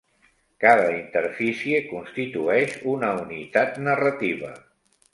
Cada interfície constitueix una unitat narrativa.